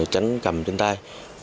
tránh cầm trên tay